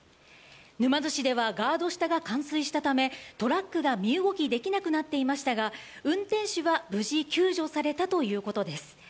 沼津市ではガード下が冠水したためトラックが身動きできなくなっていましたが運転手は無事、救助されたということです。